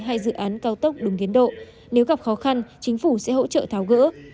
hay dự án cao tốc đúng tiến độ nếu gặp khó khăn chính phủ sẽ hỗ trợ tháo gỡ